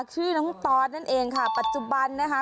ชื่อน้องตอสนั่นเองค่ะปัจจุบันนะคะ